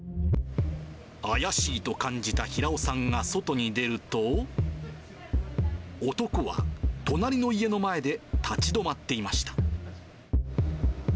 怪しいと感じた平尾さんが外に出ると、男は隣の家の前で立ち止まっていました。